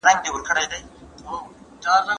د الوتکې د کښېناستو په شېبه کې ټوله فضا خاموشه شوه.